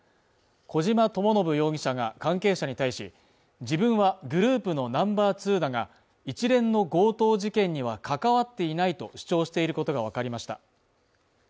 小島智信容疑者が、関係者に対し、自分はグループのナンバー２だが、一連の強盗事件には関わっていないと主張していることがわかりました。